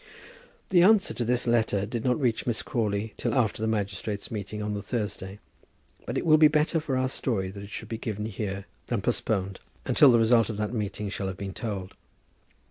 The answer to this letter did not reach Miss Crawley till after the magistrates' meeting on the Thursday, but it will be better for our story that it should be given here than postponed until the result of that meeting shall have been told.